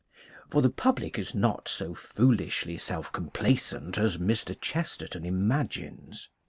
For the public is not so foolishly self complacent as Mr. Chesterton imagines.